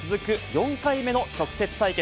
４回目の直接対決。